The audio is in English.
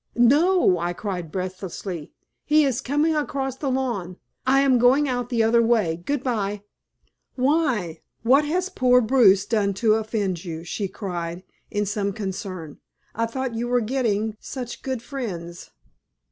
"No!" I cried, breathlessly; "he is coming across the lawn. I am going out the other way. Goodbye." "Why, what has poor Bruce done to offend you?" she cried, in some concern. "I thought you were getting such friends."